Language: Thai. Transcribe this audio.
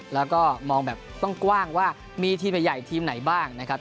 แล้วก็มองแบบกว้างว่ามีทีมใหญ่ทีมไหนบ้างนะครับ